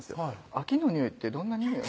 「秋のにおいってどんなにおい？」